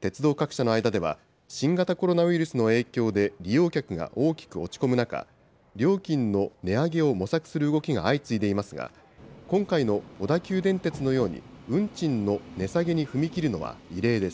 鉄道各社の間では、新型コロナウイルスの影響で利用客が大きく落ち込む中、料金の値上げを模索する動きが相次いでいますが、今回の小田急電鉄のように運賃の値下げに踏み切るのは異例です。